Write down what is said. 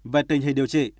về tình hình điều trị